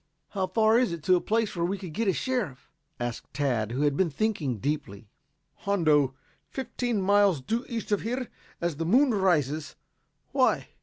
"How far is it to a place where we could get a sheriff?" asked Tad, who had been thinking deeply. "Hondo. Fifteen miles due east of here as the moon rises. Why?"